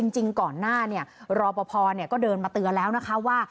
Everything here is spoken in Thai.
จริงก่อนหน้ารอปภก็เดินมาเตือนแล้วนะคะว่า